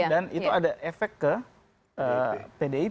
dan itu ada efek ke pdit